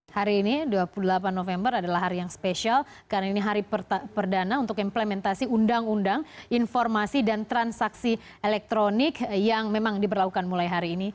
hari ini dua puluh delapan november adalah hari yang spesial karena ini hari perdana untuk implementasi undang undang informasi dan transaksi elektronik yang memang diberlakukan mulai hari ini